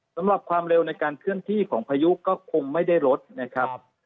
สำหรับความเร็วในการเคลื่อนที่ของพายุก็คงไม่ได้ลดนะครับ